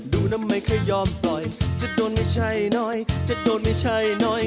ดูนะไม่เคยยอมปล่อยจะโดนไม่ใช่น้อยจะโดนไม่ใช่น้อย